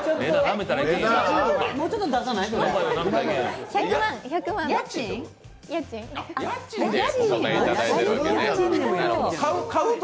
もうちょっと出さないと。